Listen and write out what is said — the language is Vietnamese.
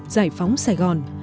giải phóng xe tăng